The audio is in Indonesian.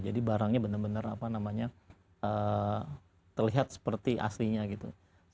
jadi barangnya benar benar terlihat seperti aslinya gitu